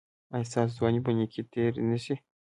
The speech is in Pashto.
ایا ستاسو ځواني په نیکۍ تیره شوه؟